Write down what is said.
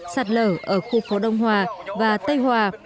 sạt lở ở khu phố đông hòa và tây hòa